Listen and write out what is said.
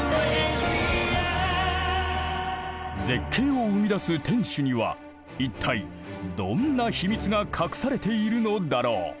絶景を生み出す天守には一体どんな秘密が隠されているのだろう。